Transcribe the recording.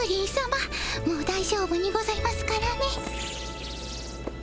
もうだいじょうぶにございますからね。